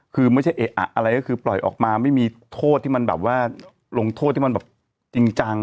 คือไม่ใช่เอ๊ะอ่ะอะไรก็คือปล่อยออกมาไม่มีโทษที่มันแบบว่าลงโทษที่มันแบบจริงจัง